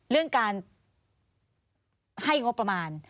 เรื่องการให้งบประมาณ